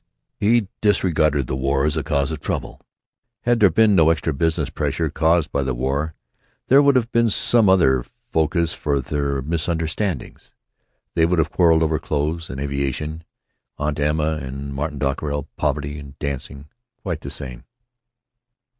He disregarded the war as a cause of trouble. Had there been no extra business pressure caused by the war, there would have been some other focus for their misunderstandings. They would have quarreled over clothes and aviation, Aunt Emma and Martin Dockerill, poverty and dancing, quite the same.